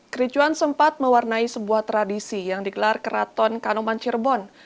kericuan sempat mewarnai sebuah tradisi yang digelar keraton kanoman cirebon